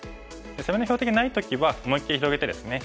攻めの標的がない時は思いっきり広げてですね